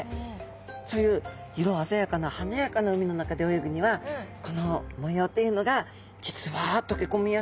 そういう色鮮やかな華やかな海の中で泳ぐにはこの模様というのが実は溶け込みやすい。